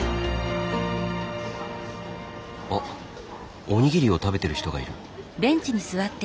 あっおにぎりを食べてる人がいる。